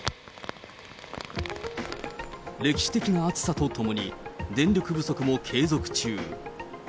歴史的な暑さとともに、電力不足も継続中。